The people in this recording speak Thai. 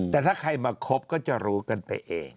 แต่ถ้าใครมาคบก็จะรู้กันไปเอง